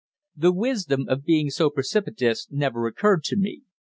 The wisdom of being so precipitous never occurred to me.